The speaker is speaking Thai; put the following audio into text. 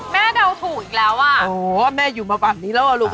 แม่เดาถูกอีกแล้วอ่ะโอ้แม่อยู่มาฝั่งนี้แล้วอ่ะลูกเอ้ย